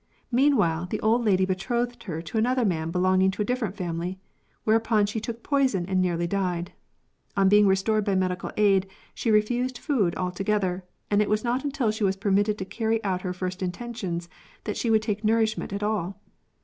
Meanwhile, the old lady betrothed her to another man belonging to a different family, whereupon she took poison and nearly died. On being restored by medical aid, she refused food altogether ; and it was not until she was permitted to carry out her first intentions that she would take nourishment at all.